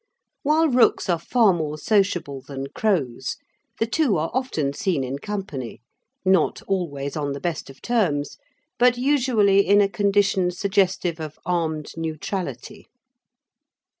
While rooks are far more sociable than crows, the two are often seen in company, not always on the best of terms, but usually in a condition suggestive of armed neutrality.